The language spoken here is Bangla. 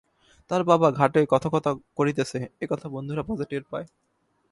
তাহার বাবা ঘাটে কথকতা করিতেছে, একথা বন্ধুরা পাছে টের পায়!